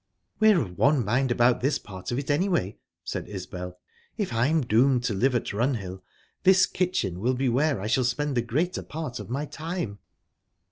"We're of one mind about this part of it, anyway," said Isbel. "If I'm doomed to live at Runhill this kitchen will be where I shall spend the greater part of my time."